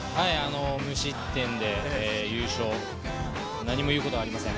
無失点で優勝、何も言うことはありません。